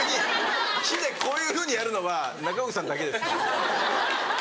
木でこういうふうにやるのは中越さんだけです。